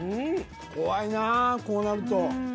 怖いなぁこうなると。